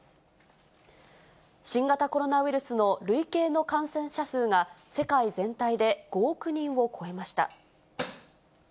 新型コロナウイルスの累計の感染者数が世界全体で５億人を超えました。